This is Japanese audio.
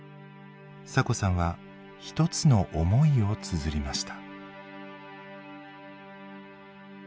サコさんは一つの思いをつづりました。